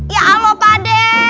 ya allah padeh